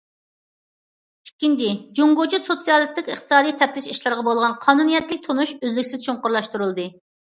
ئىككىنچى، جۇڭگوچە سوتسىيالىستىك ئىقتىسادىي تەپتىش ئىشلىرىغا بولغان قانۇنىيەتلىك تونۇش ئۈزلۈكسىز چوڭقۇرلاشتۇرۇلدى.